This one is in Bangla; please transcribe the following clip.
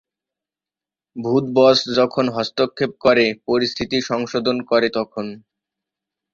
ভূত বস যখন হস্তক্ষেপ করে পরিস্থিতি সংশোধন করে তখন।